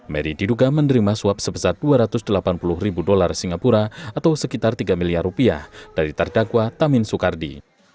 mary diduga menerima suap sebesar dua ratus delapan puluh ribu dolar singapura atau sekitar tiga miliar rupiah dari terdakwa tamin soekardi